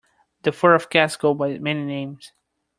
The fur of cats goes by many names.